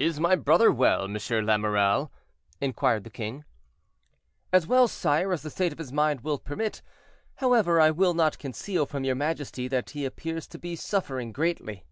"Is my brother well, Monsieur l'Amiral?" inquired the king. "As well, sire, as the state of his mind will permit; however, I will not conceal from your majesty that he appears to be suffering greatly."